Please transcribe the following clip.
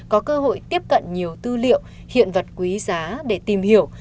có cơ hội tiếp cận nhiều tư liệu hiện vật quý giá để tìm hiểu